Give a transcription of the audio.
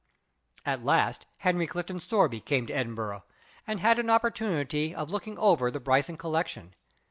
At last Henry Clifton Sorby came to Edinburgh, and had an opportunity of looking over the Bryson col lection.